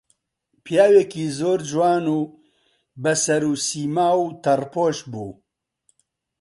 پیاوێکی زۆر جوان و بە سەروسیما و تەڕپۆش بوو